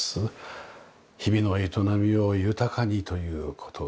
日々の営みを豊かにという事ですよね。